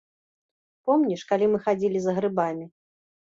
Помніш, калі мы хадзілі за грыбамі.